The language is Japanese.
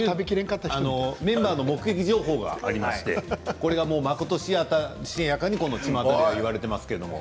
メンバーの目撃情報がありまして、これがまことしやかに、ちまたでは言われていますけれども。